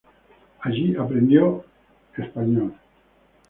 Allí aprendió la lengua española.